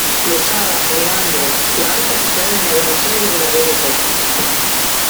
Losada, Leandro, La alta sociedad en la Buenos Aires de la Belle Époque.